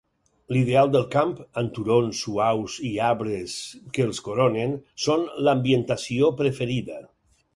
L'ideal del camp, amb turons suaus i arbres que els coronen, són l'ambientació preferida.